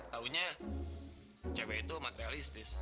taunya cewek itu materialistis